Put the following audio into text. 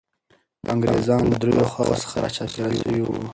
انګریزان له دریو خواوو څخه را چاپېر سوي وو.